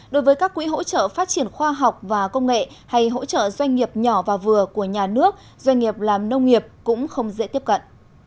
đối với các quỹ hỗ trợ phát triển khoa học và công nghệ hay hỗ trợ doanh nghiệp nhỏ và vừa của nhà nước doanh nghiệp làm nông nghiệp cũng không dễ tiếp cận